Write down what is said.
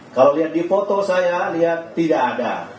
kalau lihat di foto saya lihat tidak ada